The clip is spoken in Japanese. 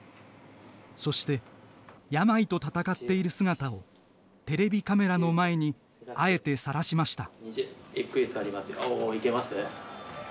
そして、病と闘っている姿をテレビカメラの前にあえてさらしました。